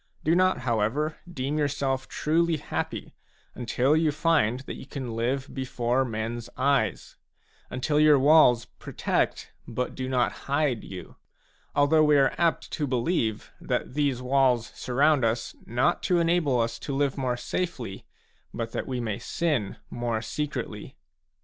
Do not, however, deem yourself truly happy until you find that you can live before men's eyes, until your walls protect but do not hide you ; although we are apt to believe that these walls surround us, not to enable us to live more safely, but that we may sin more secretly.